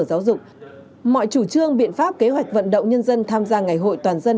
giáo dục mọi chủ trương biện pháp kế hoạch vận động nhân dân tham gia ngày hội toàn dân